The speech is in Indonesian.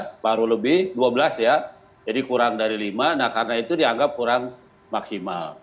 separuh lebih dua belas ya jadi kurang dari lima nah karena itu dianggap kurang maksimal